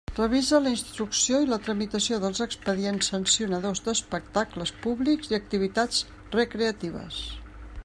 Revisa la instrucció i la tramitació dels expedients sancionadors d'espectacles públics i activitats recreatives.